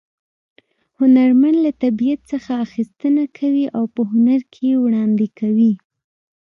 هنرمن له طبیعت څخه اخیستنه کوي او په هنر کې یې وړاندې کوي